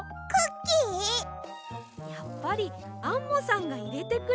やっぱりアンモさんがいれてくれたんですね。